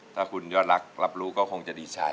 ถ้าคุณยอดรักรับรู้ก็คงจะดีใจ